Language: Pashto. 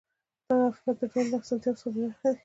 دغه افراد د ژوند له اسانتیاوو څخه بې برخې دي.